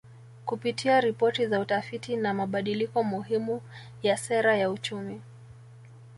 Kupitia ripoti za utafiti na mabadiliko muhimu ya Sera ya Uchumi